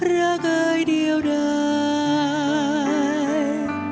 รักเอยเดียวดาย